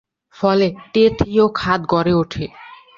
ফলে টেথীয় খাত গড়ে ওঠে।